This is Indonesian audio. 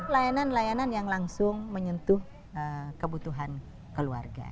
layanan layanan yang langsung menyentuh kebutuhan keluarga